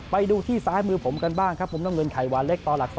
ไปดูที่ซ้ายมือผมกันบ้างครับมุมน้ำเงินไข่หวานเล็กต่อหลัก๒